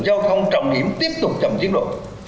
giao thông trọng điểm tiếp tục chậm chiếc đồ